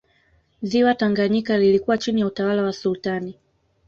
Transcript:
Ziwa tanganyika lilikuwa chini ya utawala wa sultani